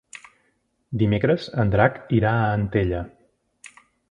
Dimecres en Drac irà a Antella.